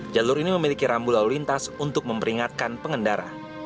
jalur ini memiliki rambu lalu lintas untuk memperingatkan pengendara